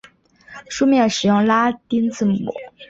书面使用拉丁字母。